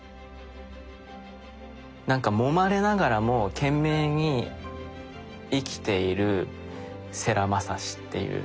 なんかもまれながらも懸命に生きている世良雅志っていう。